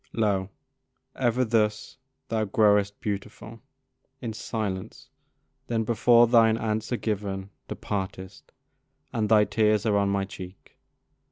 Lo! ever thus thou growest beautiful In silence, then before thine answer given Departest, and thy tears are on my cheek.